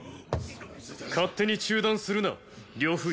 勝手に中断するな呂不韋！！